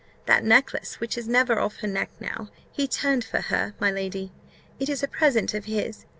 That necklace, which is never off her neck now, he turned for her, my lady; it is a present of his.